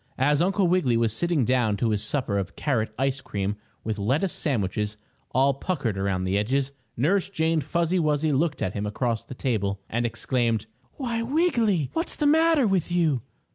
As Uncle Wiggily was sitting down to his supper of carrot ice cream with lettuce sandwiches all puckered around the edges, Nurse Jane Fuzzy Wuzzy looked at him across the table, and exclaimed: "Why, Wiggy! What's the matter with you?"